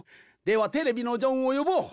ではテレビのジョンをよぼう。